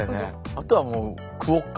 あとはもうクオッカ。